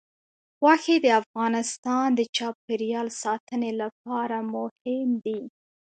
غوښې د افغانستان د چاپیریال ساتنې لپاره مهم دي.